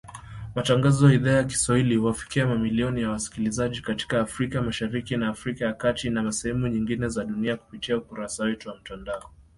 Matangazo ya Idhaa ya Kiswahili, huwafikia mamilioni ya wasikilizaji katika Afrika Mashariki na Afrika ya kati na sehemu nyingine za dunia kupitia ukurasa wetu wa mtandao.